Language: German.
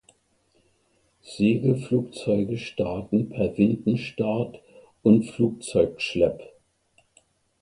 Segelflugzeuge starten per Windenstart und Flugzeugschlepp.